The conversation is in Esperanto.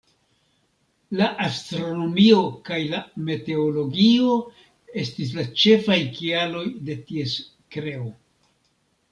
La astronomio kaj la meteologio estis la ĉefaj kialoj de ties kreo.